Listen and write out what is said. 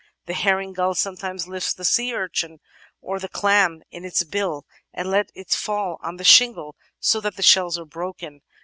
The Herring Gull sometimes lifts the sea urchin, or the clam, in its bill, and lets it fall on the shingle, so that the shells are broken.